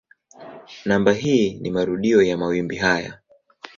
Namba hii ni marudio ya mawimbi haya.